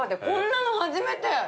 こんなの初めて。